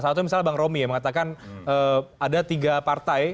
satu misalnya bang romy mengatakan ada tiga partai